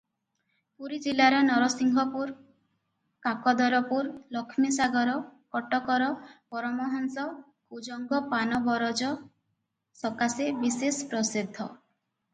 ପୁରୀଜିଲାର ନରସିଂହପୁର, କାକଦରପୁର, ଲକ୍ଷ୍ମୀସାଗର; କଟକର ପରମହଂସ, କୁଜଙ୍ଗ ପାନବରଜ ସକାଶେ ବିଶେଷ ପ୍ରସିଦ୍ଧ ।